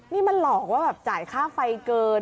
นี่มันหลอกว่าแบบจ่ายค่าไฟเกิน